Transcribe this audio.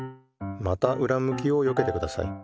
またうらむきをよけてください。